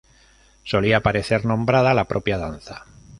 Solía aparecer nombrada la propia danza.